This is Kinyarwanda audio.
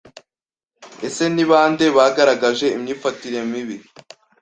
Ese ni ba nde bagaragaje imyifatire mibi